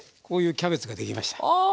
こういうキャベツができました。